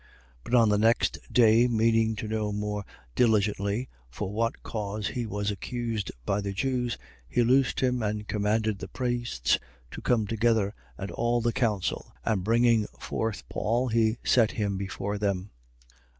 22:30. But on the next day, meaning to know more diligently for what cause he was accused by the Jews, he loosed him and commanded the priests to come together and all the council: and, bringing forth Paul, he set him before them.